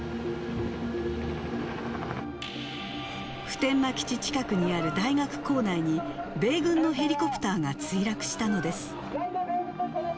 普天間基地近くにある大学構内に、米軍のヘリコプターが墜落したのです。